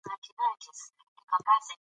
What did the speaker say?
هغې وویل: "ما خپل ماشوم په بستر کې وژلی دی؟"